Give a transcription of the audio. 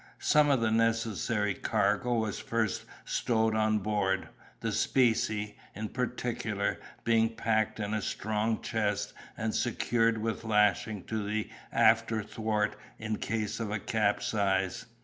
Some of the necessary cargo was first stowed on board; the specie, in particular, being packed in a strong chest and secured with lashings to the afterthwart in case of a capsize.